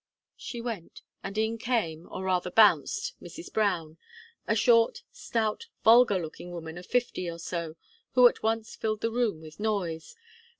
She went, and in came, or rather bounced, Mrs. Brown a short, stout, vulgar looking woman of fifty or so, who at once filled the room with noise.